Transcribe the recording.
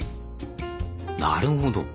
なるほど。